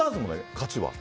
勝ちは。